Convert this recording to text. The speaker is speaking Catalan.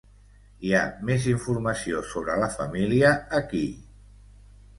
Hi ha més informació sobre la família aquí.